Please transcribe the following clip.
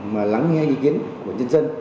mà lắng nghe ý kiến của nhân dân